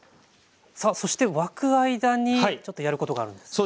さあそして沸く間にちょっとやることがあるんですよね？